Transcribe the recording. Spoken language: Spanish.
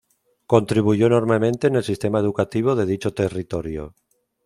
Contribuyó enormemente en el sistema educativo de dicho territorio.